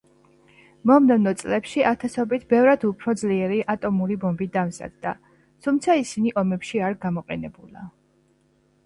მომდევნო წლებში, ათასობით ბევრად უფრო ძლიერი ატომური ბომბი დამზადდა, თუმცა ისინი ომებში არ გამოყენებულა.